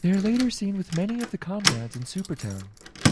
They are later seen with many of the comrades in Supertown.